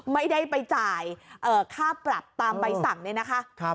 ไม่ได้ไปจ่ายค่าปรับตามใบสั่งเนี่ยนะคะ